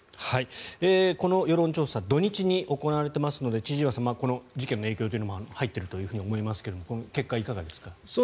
この世論調査土日に行われていますので千々岩さん事件の影響というのも入っていると思いますが結果、いかがですか？